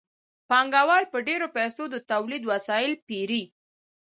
پانګوال په ډېرو پیسو د تولید وسایل پېري